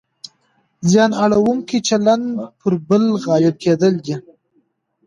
زیان اړونکی چلند پر بل غالب کېدل دي.